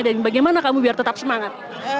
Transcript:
dan bagaimana kamu biar tetap semangat